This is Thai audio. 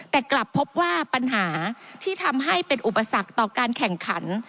แต่กลับพบว่าปัญหาที่ทำให้เป็นอุปสรรคต่อการแข่งขัน